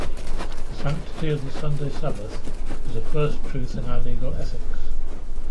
The sanctity of the Sunday sabbath is a first truth in our legal ethics.